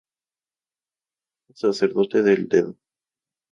Alto sacerdote del Dedo.